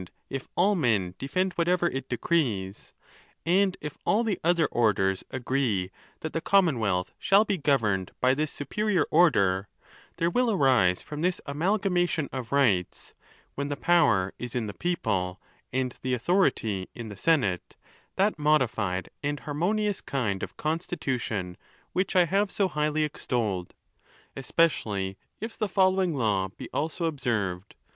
if zl men defend whatever it decrees ; and if all the other orders agree that the commonwealth: shall be governed by this su perior order ; there will arise from this amalgamation of rights, when the power is in the people, and the authority in the senate, that modified and harmonious kind of constitution which I have so highly extolled. Especially, if the following law be also observed.